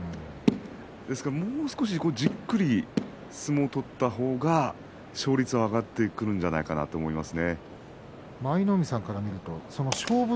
ですからもう少しじっくりと相撲取った方が勝率は上がってくるんじゃないかと思います。